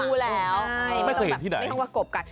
ใช่ไม่ต้องแบบไม่อยากว่ากบกัน